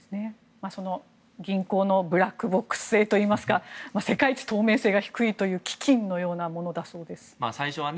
銀行のブラックボックスといいますか世界一透明性が低い基金のようなものです。